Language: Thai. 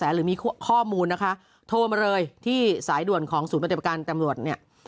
หรือมีข้อมูลนะคะโทรมาเลยที่สายด่วนของศูนย์ปฏิบัติการตำรวจเนี่ย